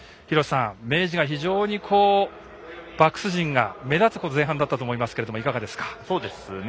廣瀬さん、明治は非常にバックス陣が目立つ前半だったと思いますがいかがですか。